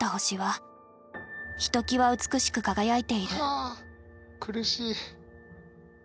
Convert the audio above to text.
はあ苦しい。